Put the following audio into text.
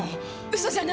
嘘じゃない！